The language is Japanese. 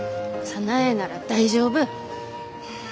早苗なら大丈夫！